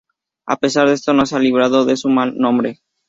A pesar de esto no se ha librado de su mal nombre.